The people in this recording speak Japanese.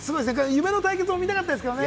夢の対決、見たかったですけれどね。